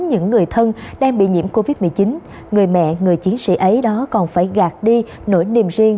những người thân đang bị nhiễm covid một mươi chín người mẹ người chiến sĩ ấy đó còn phải gạt đi nỗi niềm riêng